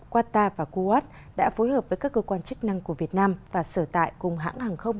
qatar và kuwait đã phối hợp với các cơ quan chức năng của việt nam và sở tại cùng hãng hàng không